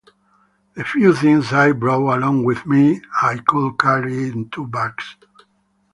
The few things I brought along with me I could carry in two bags.